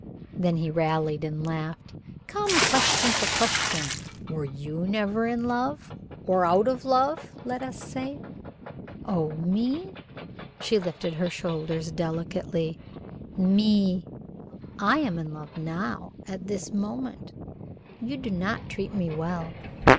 Then he rallied and laughed. "Come, question for question. Were you never in love or out of love let us say?" "Oh! Me!" She lifted her shoulders delicately. "Me! I am in love now at this moment. You do not treat me well.